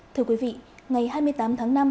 thưa quý vị ngày hai mươi tám tháng năm